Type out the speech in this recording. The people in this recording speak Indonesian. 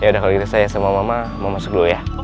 ya udah kalau gitu saya sama mama mau masuk dulu ya